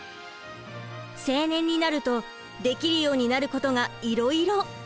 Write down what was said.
青年になるとできるようになることがいろいろ！